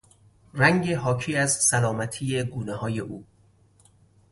رنگ حاکی از سلامتی گونههای او